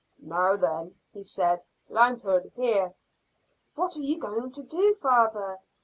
"Now then," he said, "lanthorn here!" "What are you going to do, father?"